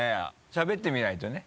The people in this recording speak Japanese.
しゃべってみないとね。